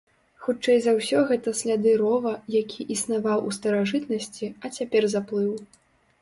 Хутчэй за ўсё гэта сляды рова, які існаваў у старажытнасці, а цяпер заплыў.